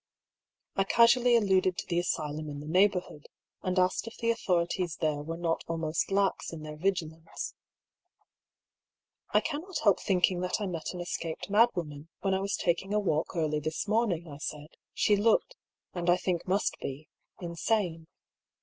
I casually alluded to the asylum in the neighbourhood, and asked if the authorities there were not almost lax in their vigilance. " I cannot help thinking that I met an escaped mad woman, when I was taking a walk early this morning,'* I said. " She looked, and I think must be, insane."